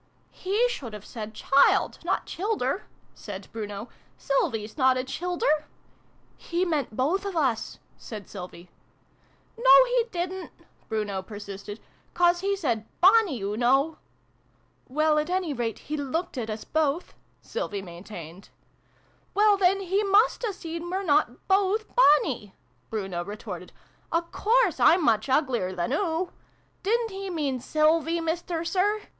" He should have said ' child', not ' childer ''," said Bruno. " Sylvie's not a childer !"" He meant both of us," said Sylvie. " No, he didn't !" Bruno persisted. " 'cause he said ' bonnie ', oo know !" "Well, at any rate he looked at us both," Sylvie maintained. " Well, then he must have seen we're not both bonnie!" Bruno retorted. " A course I'm much uglier than oo ! Didn't he mean Sylvie, Mister Sir